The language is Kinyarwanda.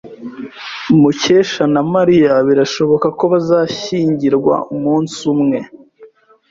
Mukesha na Mariya birashoboka ko bazashyingirwa umunsi umwe.